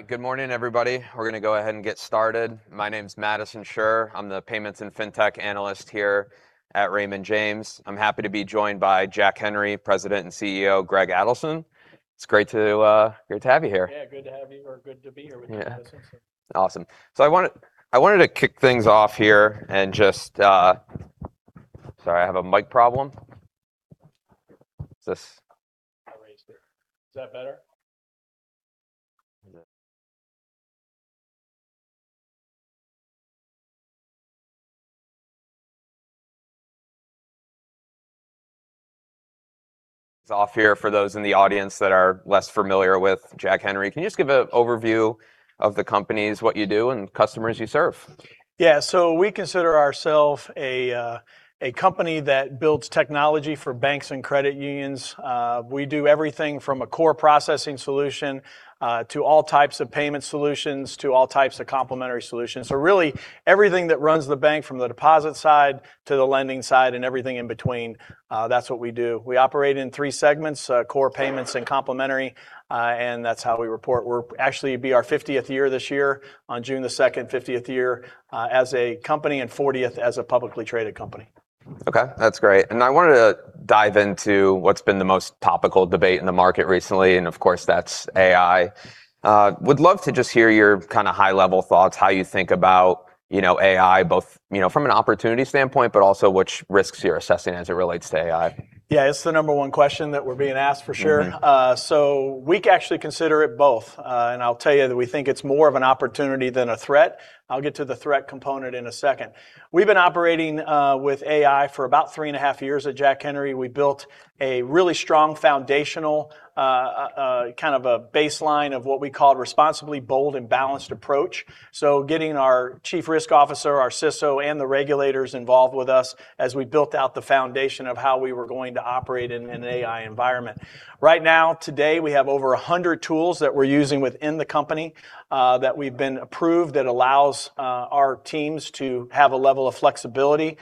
All right. Good morning, everybody. We're gonna go ahead and get started. My name's Madeline Sturm. I'm the payments and fintech analyst here at Raymond James. I'm happy to be joined by Jack Henry President and CEO, Greg Adelson. It's great to, great to have you here. Yeah, good to have me or good to be here with you, Madeline. Awesome. I wanted to kick things off here and just. Sorry, I have a mic problem. I raised it. Is that better? Off here for those in the audience that are less familiar with Jack Henry, can you just give a overview of the companies, what you do, and customers you serve? Yeah. We consider ourself a company that builds technology for banks and credit unions. We do everything from a core processing solution to all types of payment solutions, to all types of complimentary solutions. really everything that runs the bank from the deposit side to the lending side and everything in between, that's what we do. We operate in three segments, core payments and complimentary, and that's how we report. We're actually be our 50th year this year on June the second, 50th year as a company and 40th as a publicly traded company. Okay, that's great. I wanted to dive into what's been the most topical debate in the market recently, and of course that's AI. Would love to just hear your kind of high-level thoughts, how you think about, you know, AI, both, you know, from an opportunity standpoint, but also which risks you're assessing as it relates to AI? Yeah. It's the number one question that we're being asked for sure. Mm-hmm. We actually consider it both, and I'll tell you that we think it's more of an opportunity than a threat. I'll get to the threat component in a second. We've been operating with AI for about 3.5 years at Jack Henry. We built a really strong foundational, kind of a baseline of what we call a responsibly bold and balanced approach. Getting our chief risk officer, our CISO, and the regulators involved with us as we built out the foundation of how we were going to operate in an AI environment. Right now, today, we have over 100 tools that we're using within the company, that we've been approved, that allows our teams to have a level of flexibility.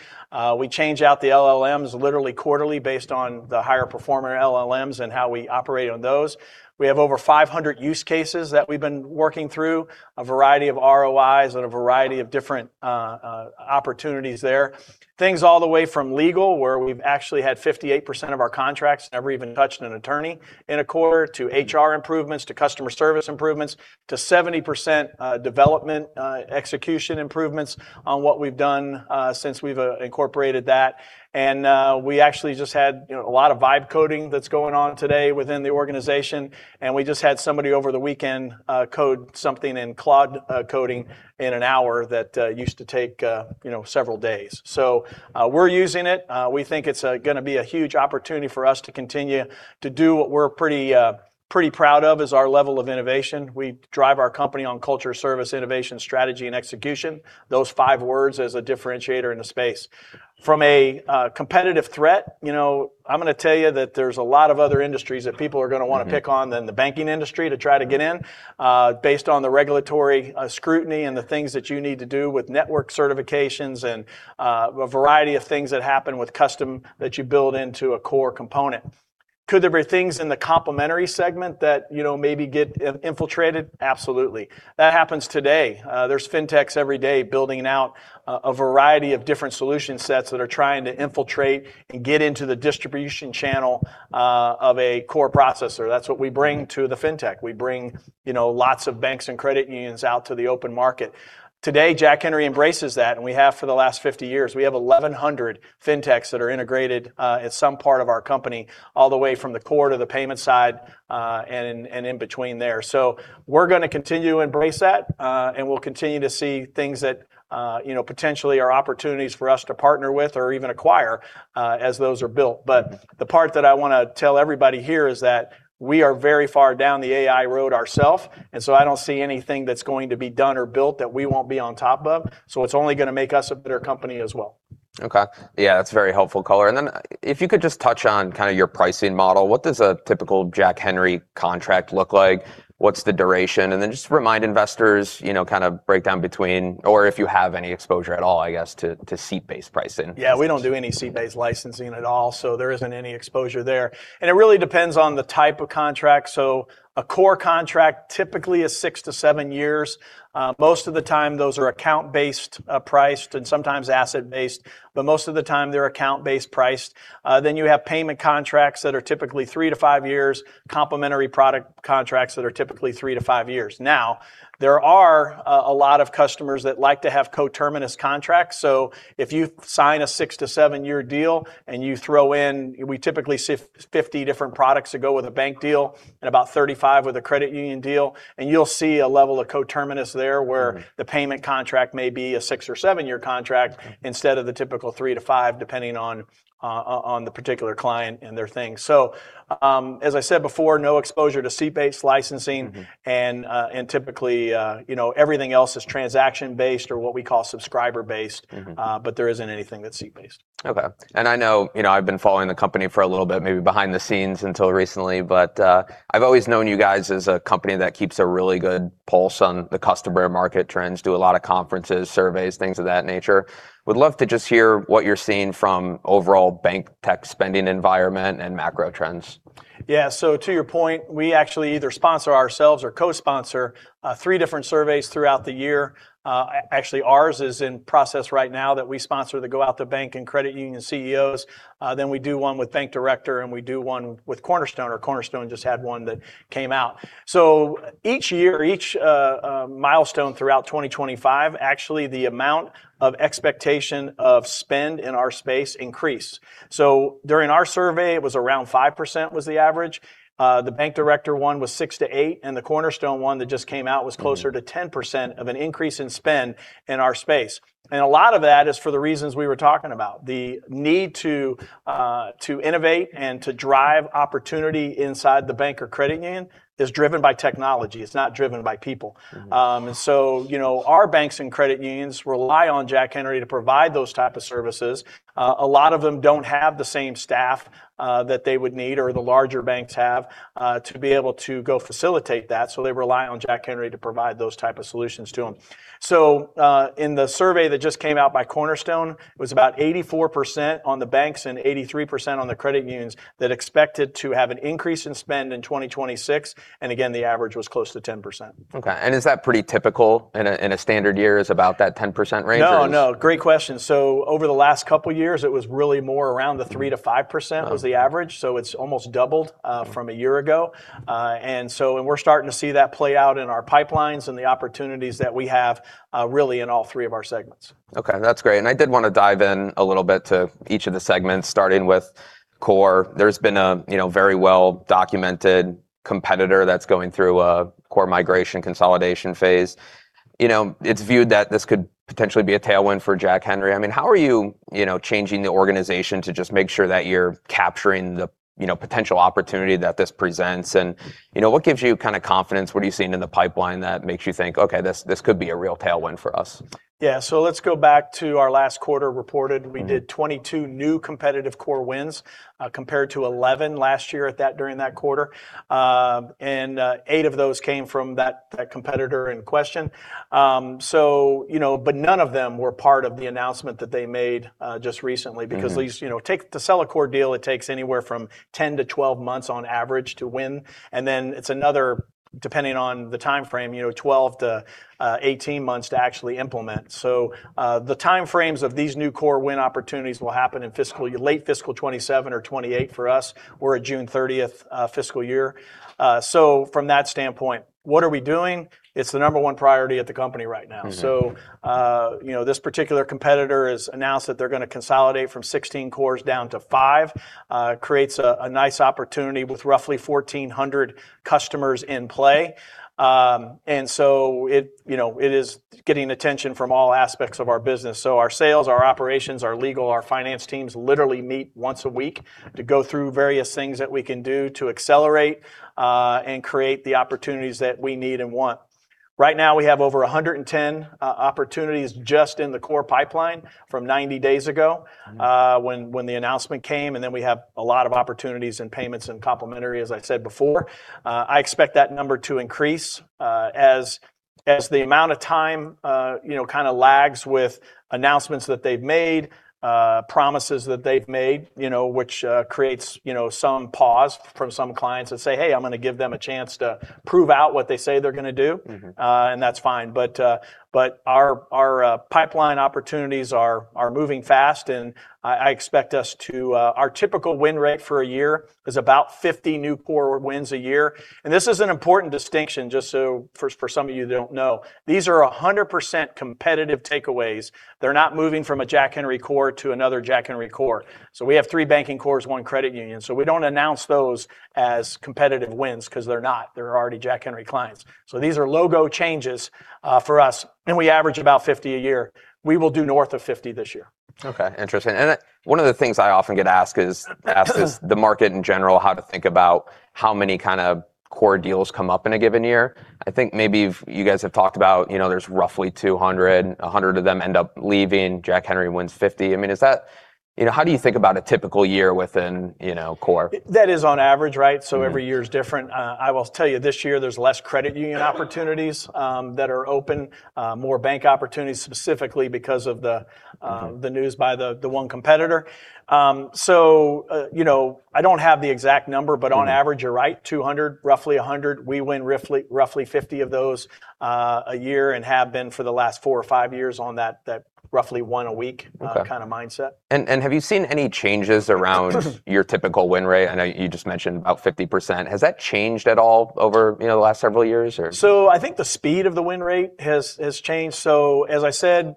We change out the LLMs literally quarterly based on the higher performer LLMs and how we operate on those. We have over 500 use cases that we've been working through, a variety of ROIs and a variety of different opportunities there. Things all the way from legal, where we've actually had 58% of our contracts never even touched an attorney in a quarter, to HR improvements, to customer service improvements, to 70% development execution improvements on what we've done since we've incorporated that. We actually just had, you know, a lot of vibe coding that's going on today within the organization, and we just had somebody over the weekend code something in Claude coding in one hour that used to take, you know, several days. We're using it. We think it's gonna be a huge opportunity for us to continue to do what we're pretty proud of is our level of innovation. We drive our company on culture, service, innovation, strategy, and execution. Those five words as a differentiator in the space. From a competitive threat, you know, I'm gonna tell you that there's a lot of other industries that people are gonna wanna pick on. Mm-hmm... than the banking industry to try to get in, based on the regulatory scrutiny and the things that you need to do with network certifications and a variety of things that happen with custom that you build into a core component. Could there be things in the complimentary segment that, you know, maybe get infiltrated? Absolutely. That happens today. There's fintechs every day building out a variety of different solution sets that are trying to infiltrate and get into the distribution channel of a core processor. That's what we bring to the fintech. We bring, you know, lots of banks and credit unions out to the open market. Today, Jack Henry embraces that, and we have for the last 50 years. We have 1,100 fintechs that are integrated at some part of our company, all the way from the core to the payment side, and in between there. We're gonna continue to embrace that, and we'll continue to see things that, you know, potentially are opportunities for us to partner with or even acquire as those are built. The part that I wanna tell everybody here is that we are very far down the AI road ourself, I don't see anything that's going to be done or built that we won't be on top of. It's only gonna make us a better company as well. Okay. Yeah, that's very helpful color. If you could just touch on kinda your pricing model, what does a typical Jack Henry contract look like? What's the duration? Just remind investors, you know, kind of breakdown between or if you have any exposure at all, I guess, to seat-based pricing? Yeah. We don't do any seat-based licensing at all, so there isn't any exposure there. It really depends on the type of contract. A core contract typically is six to seven years. Most of the time those are account-based priced and sometimes asset based, but most of the time they're account-based priced. You have payment contracts that are typically three to five years, complimentary product contracts that are typically three to five years. There are a lot of customers that like to have co-terminus contracts. If you sign a six to seven year deal and you throw in, we typically see 50 different products that go with a bank deal and about 35 with a credit union deal, and you'll see a level of co-terminus there where- Mm-hmm... the payment contract may be a six or seven-year contract instead of the typical three to five, depending on the particular client and their thing. As I said before, no exposure to seat-based licensing. Mm-hmm. Typically, you know, everything else is transaction based or what we call subscriber based. Mm-hmm. There isn't anything that's seat based. Okay. I know, you know, I've been following the company for a little bit, maybe behind the scenes until recently, but I've always known you guys as a company that keeps a really good pulse on the customer market trends, do a lot of conferences, surveys, things of that nature. Would love to just hear what you're seeing from overall bank tech spending environment and macro trends. To your point, we actually either sponsor ourselves or co-sponsor, three different surveys throughout the year. Actually, ours is in process right now that we sponsor that go out to bank and credit union CEOs. Then we do one with Bank Director, and we do one with Cornerstone, or Cornerstone just had one that came out. Each year, each milestone throughout 2025, actually the amount of expectation of spend in our space increased. During our survey, it was around 5% was the average. The Bank Director one was 6%-8%, and the Cornerstone one that just came out was closer to 10% of an increase in spend in our space. A lot of that is for the reasons we were talking about. The need to innovate and to drive opportunity inside the bank or credit union is driven by technology. It's not driven by people. Mm-hmm. You know, our banks and credit unions rely on Jack Henry to provide those type of services. A lot of them don't have the same staff that they would need or the larger banks have to be able to go facilitate that, so they rely on Jack Henry to provide those type of solutions to them. In the survey that just came out by Cornerstone, it was about 84% on the banks and 83% on the credit unions that expected to have an increase in spend in 2026, and again, the average was close to 10%. Okay. Is that pretty typical in a standard year is about that 10% range? No, no. Great question. Over the last couple years it was really more around the 3%-5%. Oh was the average, so it's almost doubled, from a year ago. We're starting to see that play out in our pipelines and the opportunities that we have, really in all three of our segments. That's great. I did wanna dive in a little bit to each of the segments, starting with core. There's been a, you know, very well documented competitor that's going through a core migration consolidation phase. You know, it's viewed that this could potentially be a tailwind for Jack Henry. I mean, how are you know, changing the organization to just make sure that you're capturing the, you know, potential opportunity that this presents and, you know, what gives you kinda confidence, what are you seeing in the pipeline that makes you think, "Okay, this could be a real tailwind for us"? Yeah, let's go back to our last quarter reported. Mm-hmm. We did 22 new competitive core wins compared to 11 last year during that quarter. Eight of those came from that competitor in question. You know, none of them were part of the announcement that they made just recently. Mm-hmm... because these, you know, to sell a core deal it takes anywhere from 10 to 12 months on average to win, and then it's another, depending on the timeframe, you know, 12 to 18 months to actually implement. The timeframes of these new core win opportunities will happen in fiscal, late fiscal 2027 or 2028 for us. We're a June 30th fiscal year. From that standpoint, what are we doing? It's the number onepriority at the company right now. Mm-hmm. You know, this particular competitor has announced that they're gonna consolidate from 16 cores down to five, creates a nice opportunity with roughly 1,400 customers in play. It, you know, it is getting attention from all aspects of our business. Our sales, our operations, our legal, our finance teams literally meet once a week to go through various things that we can do to accelerate and create the opportunities that we need and want. Right now we have over 110 opportunities just in the core pipeline from 90 days ago. Mm... when the announcement came. We have a lot of opportunities in payments and complementary, as I said before. I expect that number to increase as the amount of time, you know, kinda lags with announcements that they've made, promises that they've made, you know, which creates, you know, some pause from some clients that say, "Hey, I'm gonna give them a chance to prove out what they say they're gonna do. Mm-hmm. That's fine. Our pipeline opportunities are moving fast, and I expect us to... Our typical win rate for a year is about 50 new core wins a year. This is an important distinction just so for some of you that don't know. These are 100% competitive takeaways. They're not moving from a Jack Henry core to another Jack Henry core. We have three banking cores, one credit union, we don't announce those as competitive wins 'cause they're not. They're already Jack Henry clients. These are logo changes for us, and we average about 50 a year. We will do north of 50 this year. Okay. Interesting. I, one of the things I often get asked is the market in general how to think about how many kinda core deals come up in a given year? I think maybe you guys have talked about, you know, there's roughly 200. 100 of them end up leaving. Jack Henry wins 50. I mean, is that, you know, how do you think about a typical year within, you know, core? That is on average, right? Mm-hmm. Every year is different. I will tell you this year there's less credit union opportunities, that are open, more bank opportunities specifically because of the, Mm-hmm... the news by the one competitor. you know, I don't have the exact number... Mm On average, you're right, 200, roughly 100. We win roughly 50 of those, a year and have been for the last four or five years on that roughly one a week. Okay... kind of mindset. Have you seen any changes around your typical win rate? I know you just mentioned about 50%. Has that changed at all over, you know, the last several years or? I think the speed of the win rate has changed. As I said,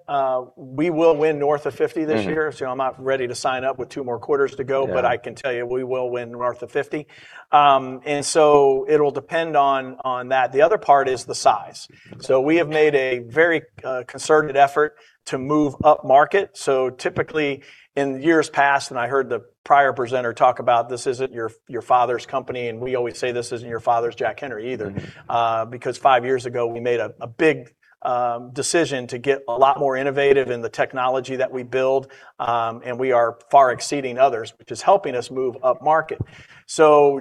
we will win north of 50 this year. Mm-hmm. I'm not ready to sign up with two more quarters to go. Yeah I can tell you we will win north of 50. It'll depend on that. The other part is the size. Mm-hmm. We have made a very concerted effort to move up market. Typically in years past, and I heard the prior presenter talk about this isn't your father's company, and we always say, "This isn't your father's Jack Henry either. Mm-hmm. Because five years ago we made a big decision to get a lot more innovative in the technology that we build, and we are far exceeding others, which is helping us move upmarket.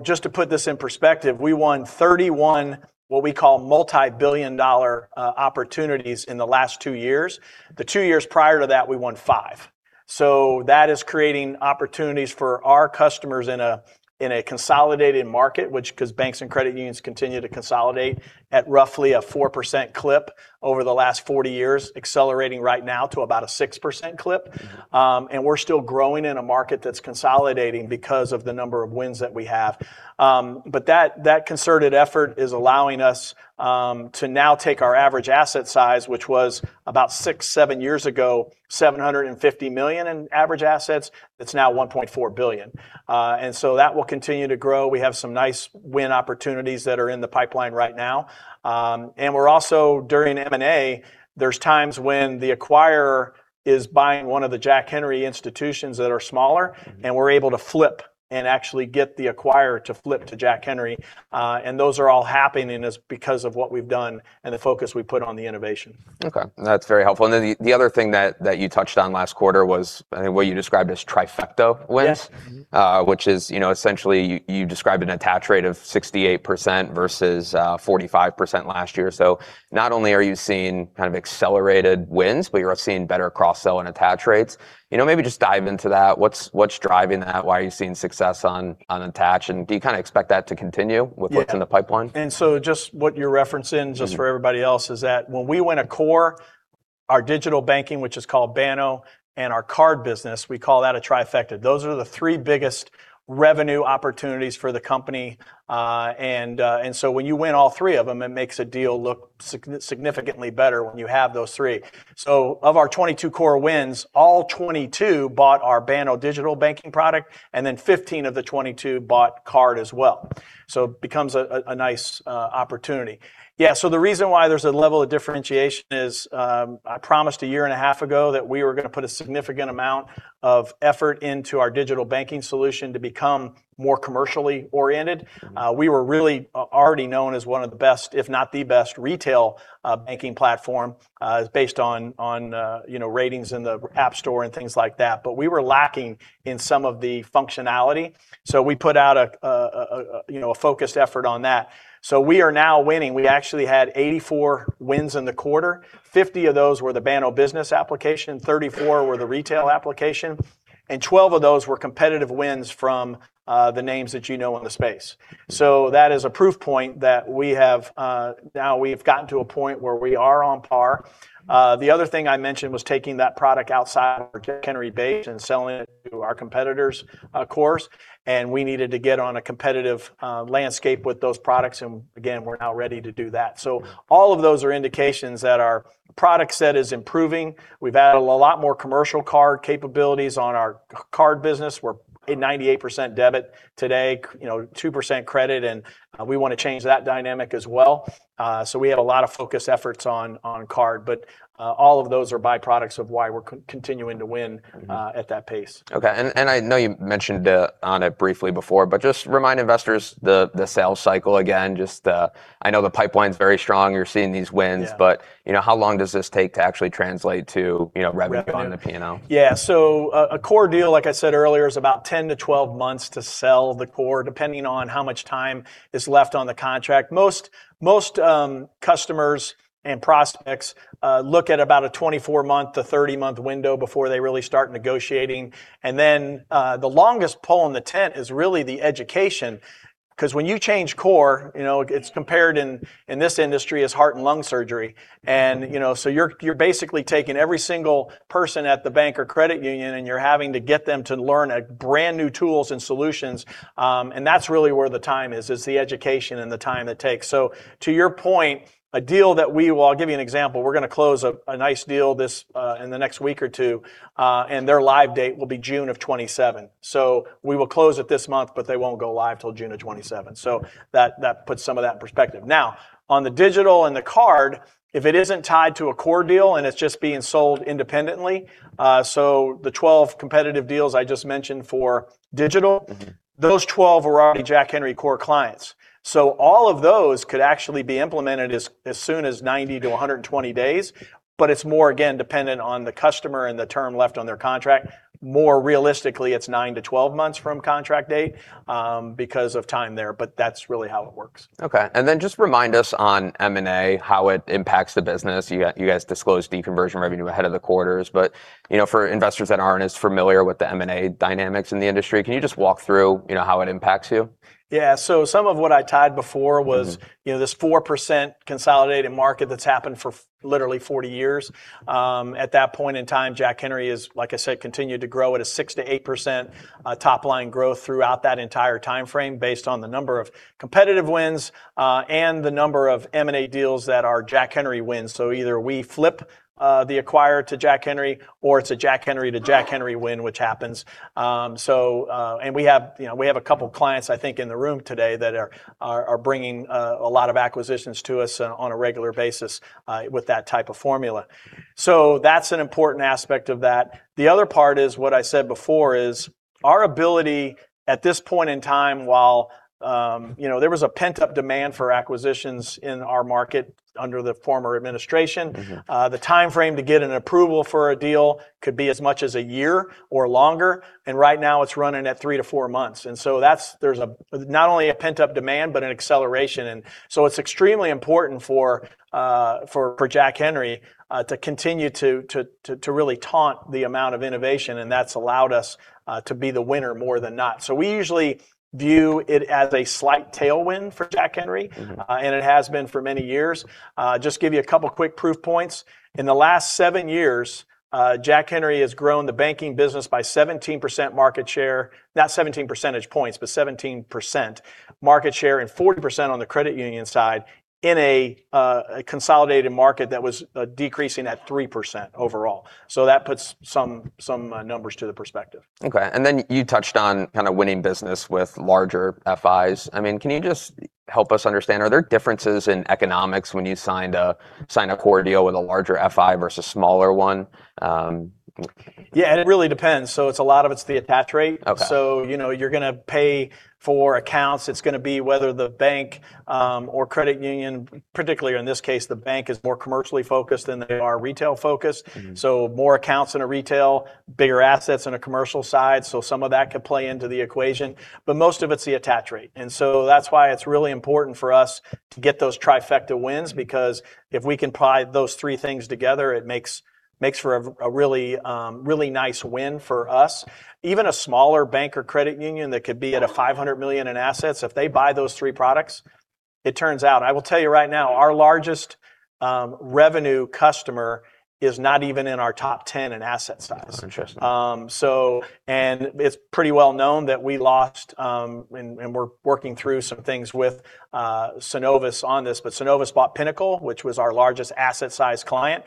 Just to put this in perspective, we won 31, what we call multi-billion dollar, opportunities in the last two years. The two years prior to that, we won five. That is creating opportunities for our customers in a, in a consolidated market which because banks and credit unions continue to consolidate at roughly a 4% clip over the last 40 years, accelerating right now to about a 6% clip. Mm-hmm. We're still growing in a market that's consolidating because of the number of wins that we have. That, that concerted effort is allowing us to now take our average asset size, which was about six, seven years ago, $750 million in average assets. It's now $1.4 billion. That will continue to grow. We have some nice win opportunities that are in the pipeline right now. During M&A, there's times when the acquirer is buying one of the Jack Henry institutions that are smaller- Mm-hmm... and we're able to flip and actually get the acquirer to flip to Jack Henry. Those are all happening because of what we've done and the focus we put on the innovation. Okay. That's very helpful. The other thing that you touched on last quarter was, I think what you described as trifecta wins. Yes. Mm-hmm. …which is, you know, essentially you described an attach rate of 68% versus 45% last year. Not only are you seeing kind of accelerated wins, but you are seeing better cross-sell and attach rates. You know, maybe just dive into that. What's, what's driving that? Why are you seeing success on attach? Do you kinda expect that to continue? Yeah with what's in the pipeline? Just what you're referencing. Mm-hmm... just for everybody else, is that when we win a core, our digital banking, which is called Banno, and our card business, we call that a trifecta. Those are the three biggest revenue opportunities for the company. When you win all three of them, it makes a deal look significantly better when you have those three. Of our 22 core wins, all 22 bought our Banno digital banking product, and then 15 of the 22 bought card as well. It becomes a nice opportunity. Yeah. The reason why there's a level of differentiation is I promised a year and a half ago that we were gonna put a significant amount of effort into our digital banking solution to become more commercially oriented. Mm-hmm. We were really already known as one of the best, if not the best retail banking platform, based on, you know, ratings in the App Store and things like that. We were lacking in some of the functionality, we put out, you know, a focused effort on that. We are now winning. We actually had 84 wins in the quarter. 50 of those were the Banno business application, 34 were the retail application, and 12 of those were competitive wins from the names that you know in the space. That is a proof point that now we've gotten to a point where we are on par. The other thing I mentioned was taking that product outside of Henry base and selling it to our competitors, of course, we needed to get on a competitive landscape with those products, again, we're now ready to do that. All of those are indications that our product set is improving. We've added a lot more commercial card capabilities on our c-card business. We're a 98% debit today, you know, 2% credit, we wanna change that dynamic as well. We have a lot of focused efforts on card. All of those are by-products of why we're continuing to win. Mm-hmm... at that pace. Okay. I know you mentioned on it briefly before, but just remind investors the sales cycle again. I know the pipeline's very strong. You're seeing these wins. Yeah. you know, how long does this take to actually translate to, you know, revenue-? Revenue on the P&L? Yeah. A core deal, like I said earlier, is about 10-12 months to sell the core, depending on how much time is left on the contract. Most customers and prospects look at about a 24-month to 30-month window before they really start negotiating. Then, the longest pole in the tent is really the education, 'cause when you change core, you know, it's compared in this industry as heart and lung surgery. You know, you're basically taking every single person at the bank or credit union, and you're having to get them to learn a brand new tools and solutions. That's really where the time is the education and the time it takes. To your point. Well, I'll give you an example. We're gonna close a nice deal this in the next week or two, and their live date will be June of 2027. We will close it this month, but they won't go live till June of 2027. That puts some of that in perspective. Now, on the digital and the card, if it isn't tied to a core deal and it's just being sold independently, so the 12 competitive deals I just mentioned for digital. Mm-hmm... those 12 are already Jack Henry core clients. All of those could actually be implemented as soon as 90 to 120 days. It's more, again, dependent on the customer and the term left on their contract. More realistically it's nine to 12 months from contract date because of time there. That's really how it works. Okay. Just remind us on M&A, how it impacts the business. You guys disclose the conversion revenue ahead of the quarters. You know, for investors that aren't as familiar with the M&A dynamics in the industry, can you just walk through, you know, how it impacts you? Yeah. Some of what I tied before. Mm-hmm... you know, this 4% consolidated market that's happened for literally 40 years. At that point in time, Jack Henry is, like I said, continued to grow at a 6%-8% top line growth throughout that entire timeframe based on the number of competitive wins and the number of M&A deals that are Jack Henry wins. Either we flip the acquire to Jack Henry, or it's a Jack Henry to Jack Henry win, which happens. And we have, you know, we have a couple clients, I think, in the room today that are bringing a lot of acquisitions to us on a regular basis with that type of formula. That's an important aspect of that. The other part is, what I said before is, our ability at this point in time while, you know, there was a pent-up demand for acquisitions in our market under the former administration. Mm-hmm. The timeframe to get an approval for a deal could be as much as a year or longer. Right now it's running at three to four months. That's. There's a, not only a pent-up demand, but an acceleration. It's extremely important for Jack Henry to continue to really taunt the amount of innovation, and that's allowed us to be the winner more than not. We usually view it as a slight tailwind for Jack Henry. Mm-hmm. It has been for many years. Just give you a couple quick proof points. In the last seven years, Jack Henry has grown the banking business by 17% market share. Not 17 percentage points, but 17% market share, and 40% on the credit union side in a consolidated market that was decreasing at 3% overall. That puts some numbers to the perspective. Okay. You touched on kind of winning business with larger FIs. I mean, can you just help us understand, are there differences in economics when you sign a core deal with a larger FI versus smaller one? Yeah, and it really depends, so it's a lot of it's the attach rate. Okay. you know, you're gonna pay for accounts. It's gonna be whether the bank, or credit union, particularly in this case, the bank is more commercially focused than they are retail focused. Mm-hmm. More accounts in a retail, bigger assets in a commercial side, some of that could play into the equation. Most of it's the attach rate. That's why it's really important for us to get those trifecta wins because if we can tie those three things together, it makes for a really nice win for us. Even a smaller bank or credit union that could be at a $500 million in assets, if they buy those three products, it turns out... I will tell you right now, our largest revenue customer is not even in our top 10 in asset size. Interesting. It's pretty well known that we lost, and we're working through some things with Synovus on this, but Synovus bought Pinnacle, which was our largest asset size client.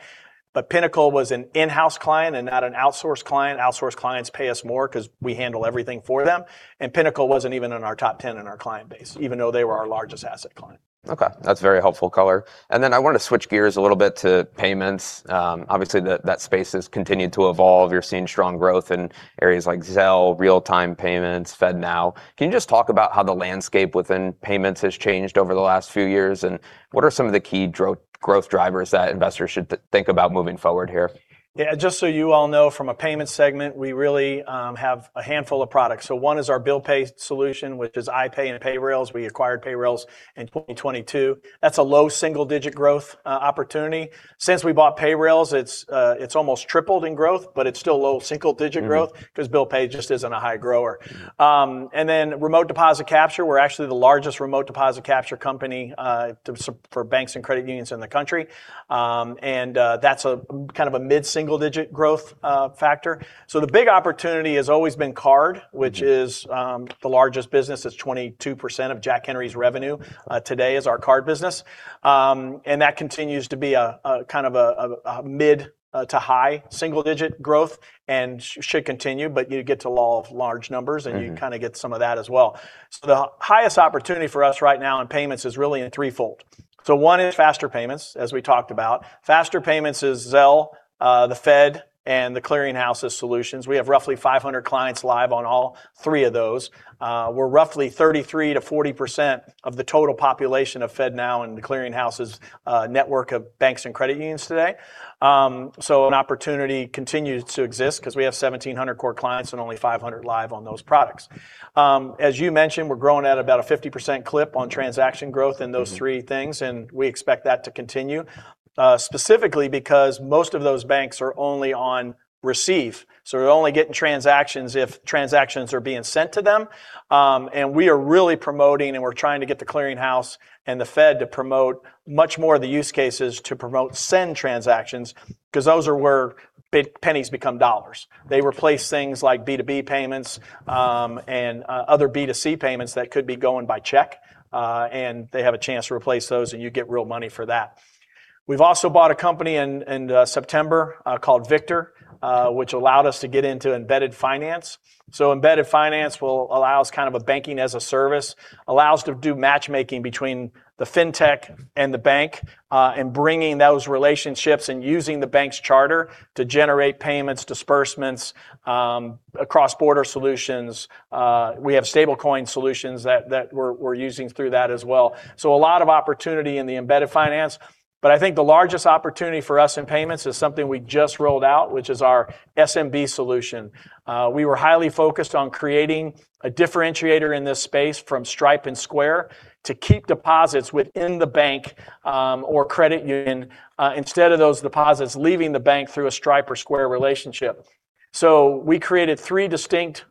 Pinnacle was an in-house client and not an outsourced client. Outsourced clients pay us more 'cause we handle everything for them, and Pinnacle wasn't even in our top 10 in our client base, even though they were our largest asset client. Okay. That's a very helpful color. Then I want to switch gears a little bit to payments. Obviously, that space has continued to evolve. You're seeing strong growth in areas like Zelle, real time payments, FedNow. Can you just talk about how the landscape within payments has changed over the last few years? What are some of the key growth drivers that investors should think about moving forward here? Yeah. Just so you all know from a payment segment, we really, have a handful of products. One is our bill pay solution, which is iPay and Payrailz. We acquired Payrailz in 2022. That's a low single digit growth opportunity. Since we bought Payrailz, it's almost tripled in growth, but it's still low single digit growth. Mm-hmm 'cause bill pay just isn't a high grower. Remote deposit capture, we're actually the largest remote deposit capture company for banks and credit unions in the country. That's a kind of a mid-single digit growth factor. The big opportunity has always been card- Mm-hmm... which is the largest business. It's 22% of Jack Henry's revenue today is our card business. And that continues to be a kind of a mid to high single-digit growth and should continue, but you get to law of large numbers... Mm-hmm and you kind of get some of that as well. The highest opportunity for us right now in payments is really in threefold. One is faster payments, as we talked about. Faster payments is Zelle, the Fed, and the Clearing Houses solutions. We have roughly 500 clients live on all three of those. We're roughly 33%-40% of the total population of FedNow and the Clearing Houses network of banks and credit unions today. an opportunity continues to exist 'cause we have 1,700 core clients and only 500 live on those products. as you mentioned, we're growing at about a 50% clip on transaction growth- Mm-hmm in those three things, and we expect that to continue, specifically because most of those banks are only on receive. They're only getting transactions if transactions are being sent to them. We are really promoting and we're trying to get The Clearing House and The Federal Reserve to promote much more of the use cases to promote send transactions, because those are where big pennies become dollars. They replace things like B2B payments, and other B2C payments that could be going by check. They have a chance to replace those, and you get real money for that. We've also bought a company in September called Victor, which allowed us to get into embedded finance. Embedded finance will allow us kind of a banking as a service, allows to do matchmaking between the fintech and the bank in bringing those relationships and using the bank's charter to generate payments, disbursements, across border solutions. We have stablecoin solutions that we're using through that as well. A lot of opportunity in the embedded finance, I think the largest opportunity for us in payments is something we just rolled out, which is our SMB solution. We were highly focused on creating a differentiator in this space from Stripe and Square to keep deposits within the bank, or credit union, instead of those deposits leaving the bank through a Stripe or Square relationship. We created three distinct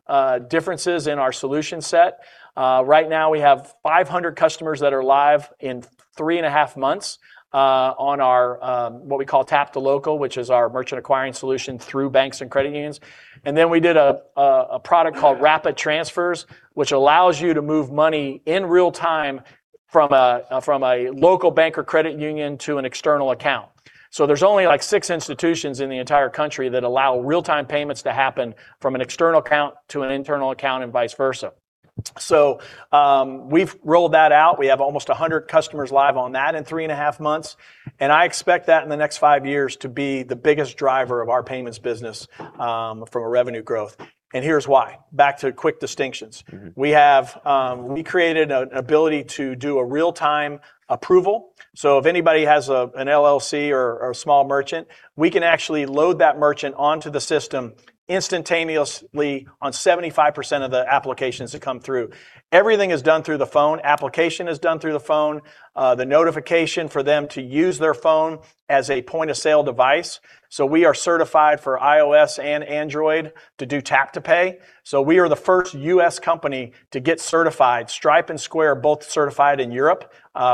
differences in our solution set. Right now we have 500 customers that are live in 3.5 months on our what we call Tap to Local, which is our merchant acquiring solution through banks and credit unions. We did a product called Rapid Transfers, which allows you to move money in real time from a local bank or credit union to an external account. There's only like six institutions in the entire country that allow real time payments to happen from an external account to an internal account, and vice versa. We've rolled that out. We have almost 100 customers live on that in three and a half months. I expect that in the next five years to be the biggest driver of our payments business from a revenue growth. Here's why. Back to quick distinctions. Mm-hmm. We created an ability to do a real time approval, so if anybody has an LLC or a small merchant, we can actually load that merchant onto the system instantaneously on 75% of the applications that come through. Everything is done through the phone. Application is done through the phone. The notification for them to use their phone as a point of sale device. We are certified for iOS and Android to do tap to pay. We are the first U.S. company to get certified. Stripe and Square both certified in Europe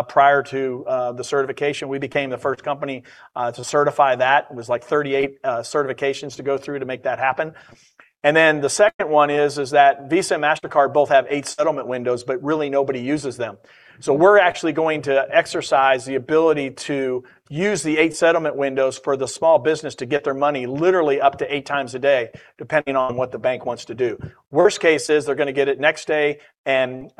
prior to the certification. We became the first company to certify that. It was like 38 certifications to go through to make that happen. The second one is that Visa and Mastercard both have eight settlement windows, but really nobody uses them. We're actually going to exercise the ability to use the eight settlement windows for the small business to get their money literally up to eight times a day, depending on what the bank wants to do. Worst case is they're gonna get it next day, and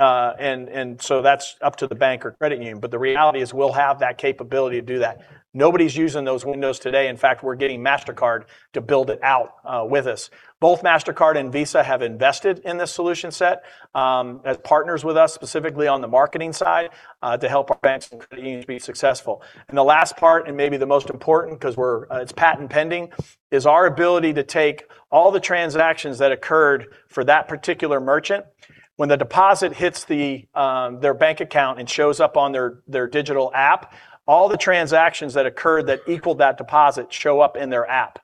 so that's up to the bank or credit union. The reality is we'll have that capability to do that. Nobody's using those windows today. In fact, we're getting Mastercard to build it out with us. Both Mastercard and Visa have invested in this solution set as partners with us, specifically on the marketing side to help our banks and credit unions be successful. The last part, and maybe the most important 'cause we're it's patent pending, is our ability to take all the transactions that occurred for that particular merchant. When the deposit hits the, their bank account and shows up on their digital app, all the transactions that occurred that equaled that deposit show up in their app.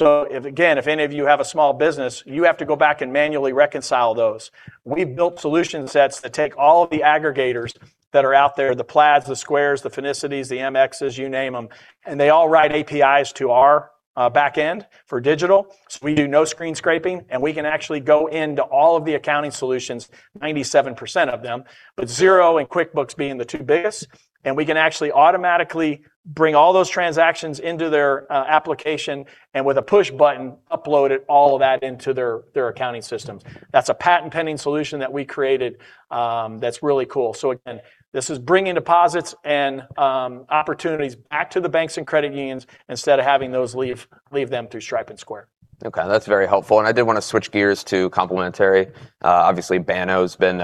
If, again, if any of you have a small business, you have to go back and manually reconcile those. We've built solution sets that take all of the aggregators that are out there, the Plaids, the Squares, the Finicities, the MXs, you name them, and they all write APIs to our back end for digital. We do no screen scraping, and we can actually go into all of the accounting solutions, 97% of them, with Xero and QuickBooks being the two biggest, and we can actually automatically bring all those transactions into their application and with a push button, upload it, all of that, into their accounting systems. That's a patent pending solution that we created, that's really cool. Again, this is bringing deposits and opportunities back to the banks and credit unions instead of having those leave them through Stripe and Square. Okay, that's very helpful. I did want to switch gears to complementary. Obviously Banno's been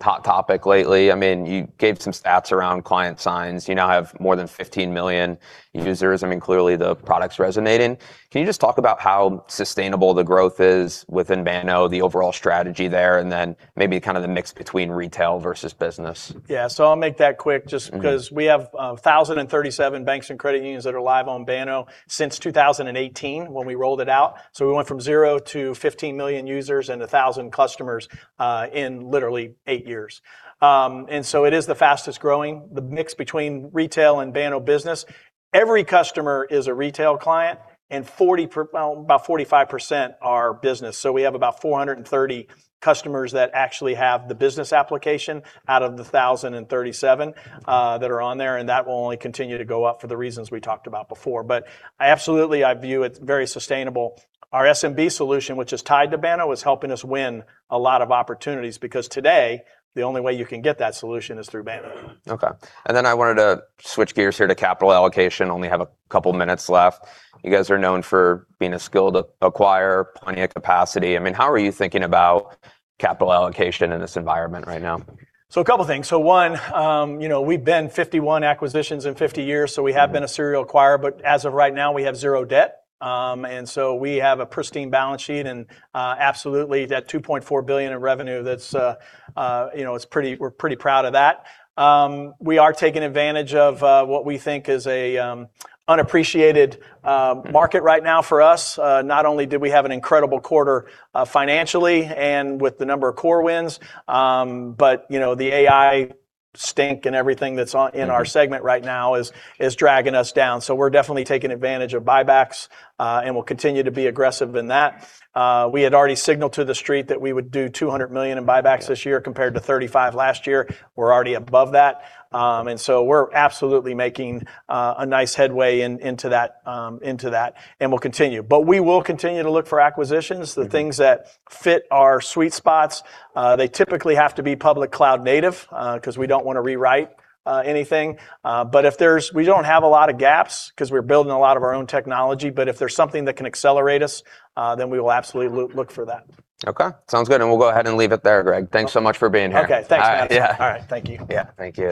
a hot topic lately. I mean, you gave some stats around client signs. You now have more than 15 million users. I mean, clearly the product's resonating. Can you just talk about how sustainable the growth is within Banno, the overall strategy there, and then maybe kind of the mix between retail versus business? Yeah, I'll make that quick. Mm-hmm 'cause we have 1,037 banks and credit unions that are live on Banno since 2018 when we rolled it out. We went from 0 to 15 million users and 1,000 customers in literally eight years. It is the fastest growing. The mix between retail and Banno Business, every customer is a retail client, and about 45% are business. We have about 430 customers that actually have the business application out of the 1,037 that are on there, and that will only continue to go up for the reasons we talked about before. Absolutely I view it very sustainable. Our SMB solution, which is tied to Banno, is helping us win a lot of opportunities because today the only way you can get that solution is through Banno. Okay. I wanted to switch gears here to capital allocation. Only have a couple minutes left. You guys are known for being a skilled acquirer, plenty of capacity. I mean, how are you thinking about capital allocation in this environment right now? A couple things. You know, we've been 51 acquisitions in 50 years, so we have been a serial acquirer, but as of right now, we have zero debt. We have a pristine balance sheet, and absolutely that $2.4 billion in revenue that's, you know, we're pretty proud of that. We are taking advantage of what we think is a unappreciated market right now for us. Not only did we have an incredible quarter, financially and with the number of core wins, but, you know, the AI stink and everything that's on- Mm-hmm... in our segment right now is dragging us down. We're definitely taking advantage of buybacks, and we'll continue to be aggressive in that. We had already signaled to the street that we would do $200 million in buybacks this year compared to $35 million last year. We're already above that. We're absolutely making a nice headway into that, and we'll continue. We will continue to look for acquisitions. Mm-hmm. The things that fit our sweet spots, they typically have to be public cloud native, 'cause we don't wanna rewrite, anything. We don't have a lot of gaps 'cause we're building a lot of our own technology, but if there's something that can accelerate us, then we will absolutely look for that. Okay. Sounds good. We'll go ahead and leave it there, Greg. Okay. Thanks so much for being here. Okay, thanks, Madeline. All right. Yeah. All right, thank you. Yeah, thank you.